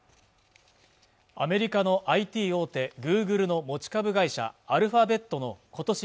アメリカのＩＴ大手グーグルの持ち株会社アルファベットのことし